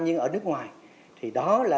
nhưng ở nước ngoài thì đó là